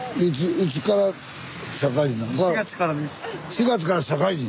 ４月から社会人？